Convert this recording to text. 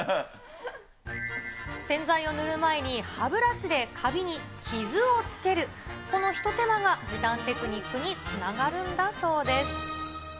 洗剤を塗る前に歯ブラシでかびに傷をつける、この一手間が時短テクニックにつながるんだそうです。